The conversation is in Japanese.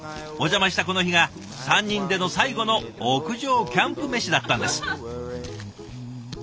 お邪魔したこの日が３人での最後の屋上キャンプメシだったんです。